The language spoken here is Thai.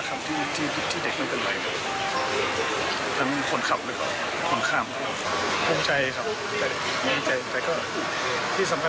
ดีใจที่เด็กปลอดภัย